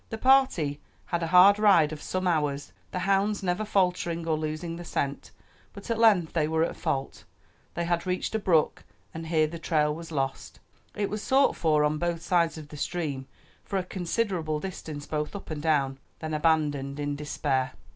The party had a hard ride of some hours, the hounds never faltering or losing the scent; but at length they were at fault. They had reached a brook and here the trail was lost; it was sought for on both sides of the stream for a considerable distance both up and down, then abandoned in despair.